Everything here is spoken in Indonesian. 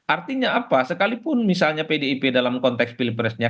artinya apa sekalipun misalnya pdip dalam konteks pilpresnya